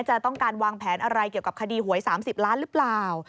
จะต้องการวางแผนอะไรเกี่ยวกับคดีหวย๓๐ล้านหรือเปล่า